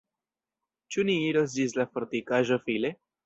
Ĉu ni iros ĝis la fortikaĵo File?